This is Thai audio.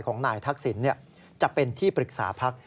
ของนายทักศิลป์จะเป็นที่ปรึกษาภักดิ์